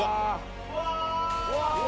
うわ。